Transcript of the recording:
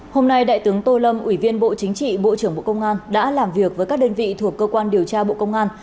hôm nay đại tướng tô lâm ủy viên bộ chính trị bộ trưởng bộ công an đã làm việc với các đơn vị thuộc cơ quan điều tra bộ công an